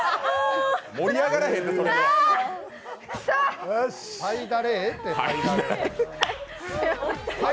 盛り上がらへん、それは。